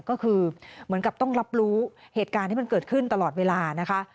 ก็คือเหมือนกับต้องรับรู้เหตุการณ์ที่มันเกิดขึ้นตลอดเวลานะคะ